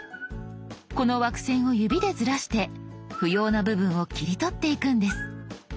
この枠線を指でずらして不要な部分を切り取っていくんです。